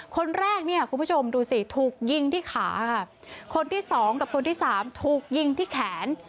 คนแรกเนี่ยคุณผู้ชมดูสิถูกยิงที่ขาค่ะคนที่สองกับคนที่สามถูกยิงที่แขน